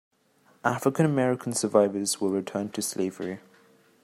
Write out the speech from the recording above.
African-American survivors were returned to slavery.